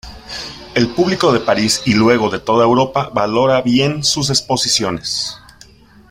El público de Paris y luego de toda Europa valora bien sus exposiciones.